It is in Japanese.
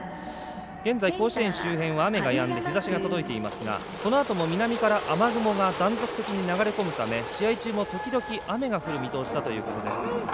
現在、甲子園周辺は雨がやんで日ざしが届いていますがこのあとも、南から雨雲が断続的に流れ込むため試合中も時々雨が降る見通しだということです。